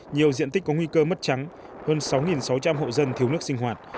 nhiều diện tích có nguy cơ mất trắng hơn sáu sáu trăm linh hộ dân thiếu nước sinh hoạt